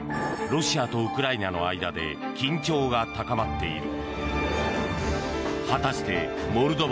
ロシアとウクライナの間で緊張が高まっている。